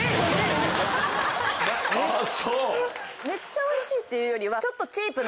めっちゃおいしいっていうよりはちょっと。